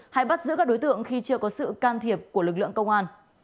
hay bắt giữ các đối tượng khi chưa có sự can thiệp của lực lượng công an